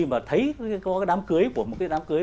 và thấy có cái đám cưới của một cái đám cưới